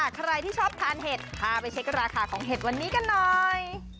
ใครที่ชอบทานเห็ดพาไปเช็คราคาของเห็ดวันนี้กันหน่อย